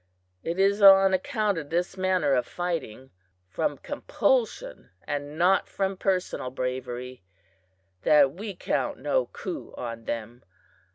It is on account of this manner of fighting from compulsion and not from personal bravery that we count no coup on them.